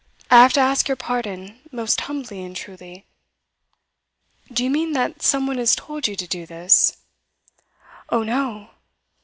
I have to ask your pardon, most humbly and truly.' 'Do you mean that some one has told you to do this?' 'Oh no!